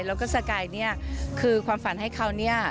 แล้วก็สกายเนี่ยคือความฝันให้เขาเนี่ย